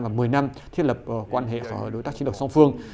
và một mươi năm thiết lập quan hệ đối tác chiến độc song phương